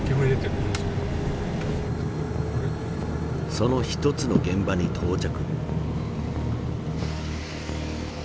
その一つの現場に到着。